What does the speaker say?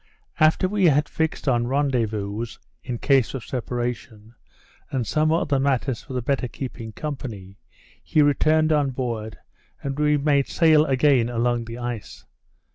After we had fixed on rendezvouses in case of separation, and some other matters for the better keeping company, he returned on board, and we made sail again along the ice.